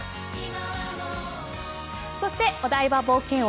そしてお台場冒険王